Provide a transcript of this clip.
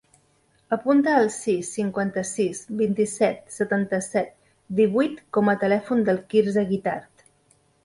Apunta el sis, cinquanta-sis, vint-i-set, setanta-set, divuit com a telèfon del Quirze Guitart.